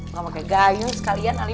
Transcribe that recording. gak pake gayung sekalian ali